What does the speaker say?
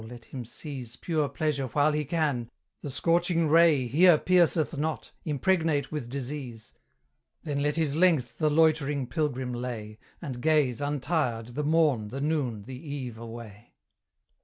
let him seize Pure pleasure while he can; the scorching ray Here pierceth not, impregnate with disease: Then let his length the loitering pilgrim lay, And gaze, untired, the morn, the noon, the eve away.